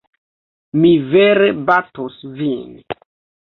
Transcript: Mi vere batos vin!